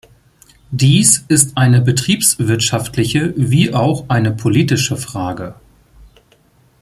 Dies ist eine betriebswirtschaftliche wie auch eine politische Frage.